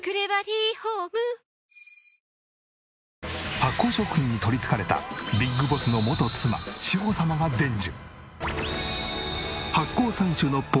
発酵食品に取り憑かれたＢＩＧＢＯＳＳの元妻志保様が伝授。